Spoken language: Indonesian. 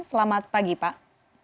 selamat pagi pak